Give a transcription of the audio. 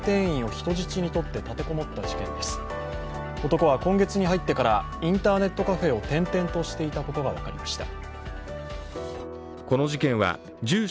男は今月に入ってからインターネットカフェを転々としていたことが分かりました。